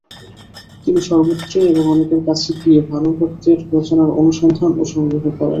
তিনি সর্বত্রই এবং অনেকের কাছে গিয়ে ভানুভক্তের রচনার অনুসন্ধান ও সংগ্রহ করেন।